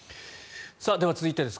では、続いてです。